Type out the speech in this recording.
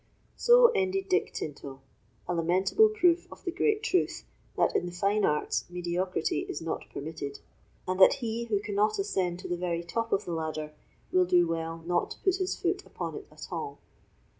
So ended Dick Tinto! a lamentable proof of the great truth, that in the fine arts mediocrity is not permitted, and that he who cannot ascend to the very top of the ladder will do well not to put his foot upon it at all.